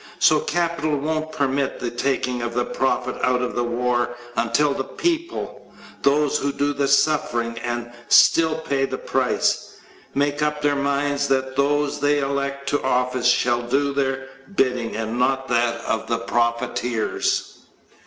So capital won't permit the taking of the profit out of war until the people those who do the suffering and still pay the price make up their minds that those they elect to office shall do their bidding, and not that of the profiteers.